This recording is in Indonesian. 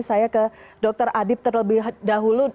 saya ke dr adib terlebih dahulu